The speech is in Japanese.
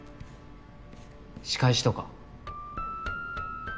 仕返しとか？